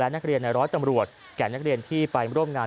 และนักเรียนร้อยตำรวจกับนักเรียนที่ไปร่วมงานในครั้งนี้